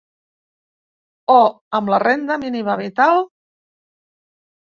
O amb la renda mínima vital?